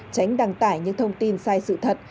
tránh đăng tải những thông tin sai sự thật